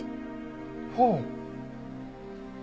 ほう。